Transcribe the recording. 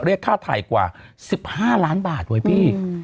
เรียกค่าไทยกว่า๑๕ล้านบาทเว้ยพี่